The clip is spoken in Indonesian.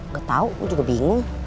gak tau gue juga bingung